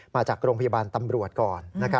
มาจากโรงพยาบาลตำรวจก่อน